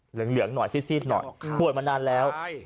เหลืองเหลืองหน่อยซีดซีดหน่อยป่วยมานานแล้วใช่